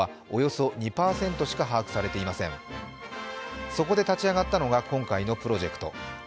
そこで立ち上がったのが今回のプロジェクト。